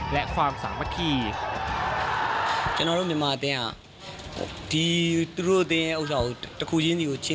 และความสามัคคี